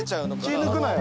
気抜くなよ。